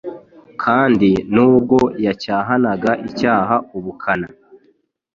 Kandi nubwo yacyahanaga icyaha ubukana,